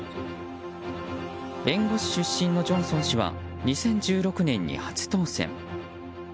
弁護士出身のジョンソン氏は２０１６年に初当選。